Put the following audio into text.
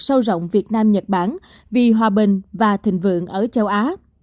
sâu rộng việt nam nhật bản vì hòa bình và thịnh vượng ở châu á